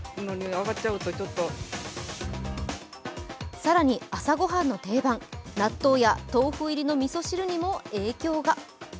更に朝ご飯の定番、納豆や豆腐入りの味噌汁にも影響が。